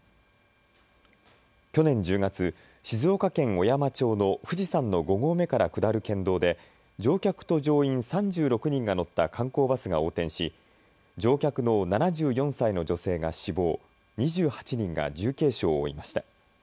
去年１０月、静岡県小山町の富士山の５合目から下る県道で乗客と乗員３６人が乗った観光バスが横転し乗客の７４歳の女性が死亡、２８人が重軽傷を負いました。